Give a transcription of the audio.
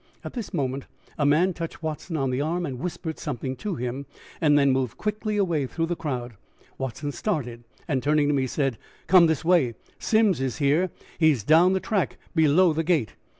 At this moment a man touched Watson on the arm and whispered something to him and then moved quickly away through the crowd. Watson started, and turning to me said, "Come this way. Simms is here, he is down the track, below the gate."